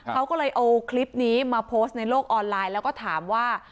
เขาก็เลยเอาคลิปนี้มาโพสต์ในโลกออนไลน์แล้วก็ถามว่า